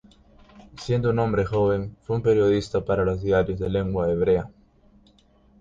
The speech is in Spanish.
Siendo un hombre joven, fue un periodista para los diarios de lengua hebrea.